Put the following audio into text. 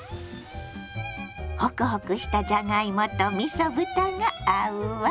ホクホクしたじゃがいもとみそ豚が合うわ。